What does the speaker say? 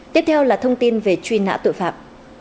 tiếp theo là thông tin về truy nã tội phạm